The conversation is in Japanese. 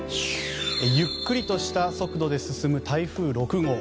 ゆっくりとした速度で進む台風６号。